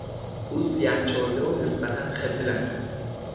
او سیه چرده و نسبتا خپل است.